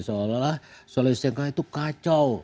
seolah olah soleh setengah itu kacau